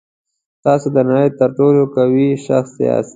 تاسو د نړۍ تر ټولو قوي شخص یاست.